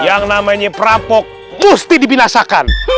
yang namanya perampok mesti dibinasakan